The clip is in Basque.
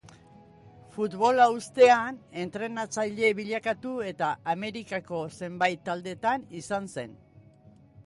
Futbola uztean, entrenatzaile bilakatu eta Amerikako zenbait taldetan izan zen.